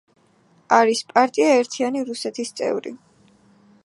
არის პარტია „ერთიანი რუსეთის“ წევრი.